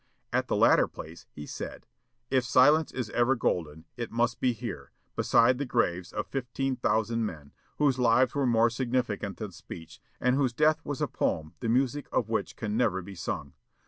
At the latter place, he said: "If silence is ever golden, it must be here, beside the graves of fifteen thousand men, whose lives were more significant than speech, and whose death was a poem the music of which can never be sung.